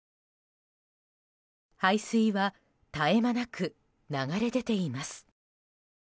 排水は絶え間なく流れ出ています。